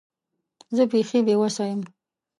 زه بیخي بې وسه یم .